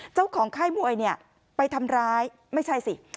เจ้าของค่ายมวยไปทำร้ายไม่ใช่สิ